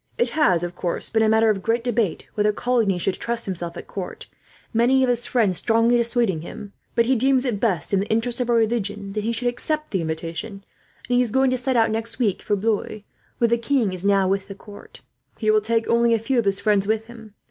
It has, of course, been a matter of great debate whether Coligny should trust himself at court, many of his friends strongly dissuading him; but he deems it best, in the interests of our religion, that he should accept the invitation; and he is going to set out next week for Blois, where the king now is with the court. He will take only a few of his friends with him.